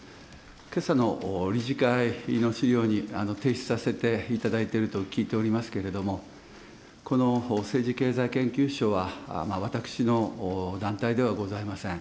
けさの理事会の資料に提出させていただいていると聞いておりますけれども、この政治経済研究所は私の団体ではございません。